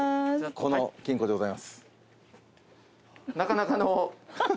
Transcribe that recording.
この金庫でございます。